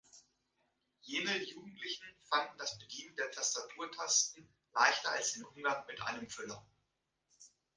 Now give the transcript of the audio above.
Jene Jugendlichen fanden das Bedienen der Tastaturtasten leichter als den Umgang mit einem Füller.